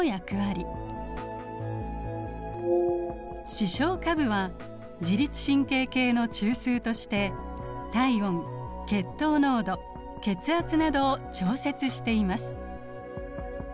視床下部は自律神経系の中枢として体温血糖濃度血圧などを調節しています。